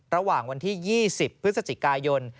ระหว่างวันที่๒๐พฤศจิกายน